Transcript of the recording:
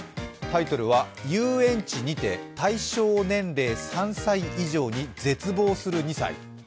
タイトルは「遊園地にて『対象年齢３歳以上』に絶望する２歳」。